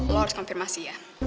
lo harus konfirmasi ya